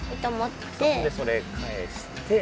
そんでそれ返して。